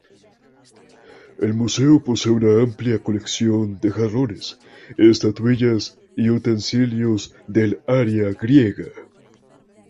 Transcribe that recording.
El museo posee una amplia colección de jarrones, estatuillas y utensilios del área griega.